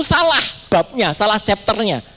salah babnya salah chapternya